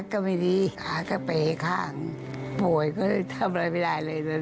ก็ไปให้ฆ่าป่วยก็ทำอะไรไม่ได้เลย